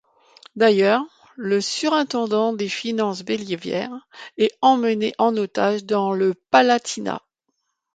D’ailleurs, le surintendant des finances, Bellièvre est emmené en otage dans le Palatinat.